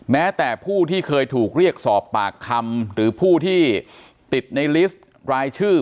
แม้แต่ผู้ที่เคยถูกเรียกสอบปากคำหรือผู้ที่ติดในลิสต์รายชื่อ